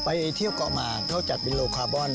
ไปเที่ยวก่อมาเขาจัดเป็นโลคาบอน